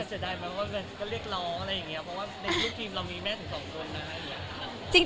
ก็เรียกล้ออะไรอย่างนี้เพราะว่าในทีมเรามีแม่สองคนนะคะ